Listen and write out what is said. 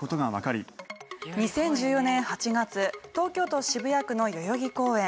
２０１４年８月東京都渋谷区の代々木公園。